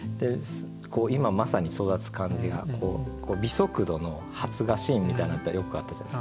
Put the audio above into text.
今まさに育つ感じが微速度の発芽シーンみたいなのってよくあったじゃないですか。